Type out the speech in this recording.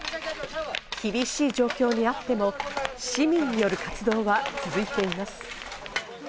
厳しい状況にあっても市民による活動は続いています。